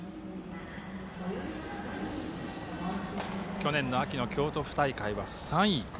去年の秋の京都府大会は３位。